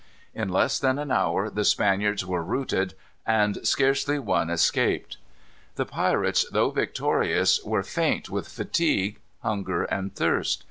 In less than an hour the Spaniards were routed, and scarcely one escaped. The pirates, though victorious, were faint with fatigue, hunger, and thirst.